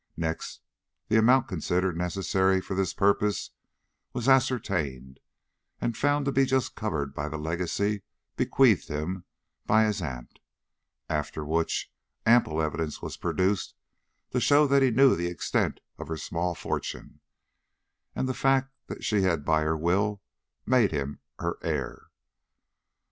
Next, the amount considered necessary for this purpose was ascertained and found to be just covered by the legacy bequeathed him by his aunt; after which, ample evidence was produced to show that he knew the extent of her small fortune, and the fact that she had by her will made him her heir.